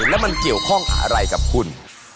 แล้วมันเกี่ยวข้องอะไรกับคุณ